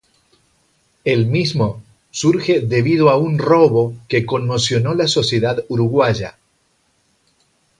El mismo surge debido a un robo que conmocionó la sociedad uruguaya.